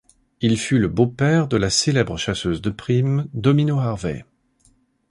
Il fut le beau-père de la célèbre chasseuse de prime Domino Harvey.